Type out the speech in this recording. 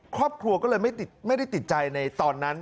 ครอบครัวก็เลยไม่ได้ติดใจในตอนนั้น